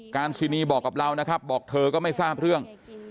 ซินีบอกกับเรานะครับบอกเธอก็ไม่ทราบเรื่อง